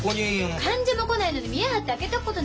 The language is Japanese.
患者も来ないのに見栄張って開けとくことないのよ。